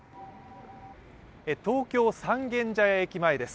東京・三軒茶屋駅前です。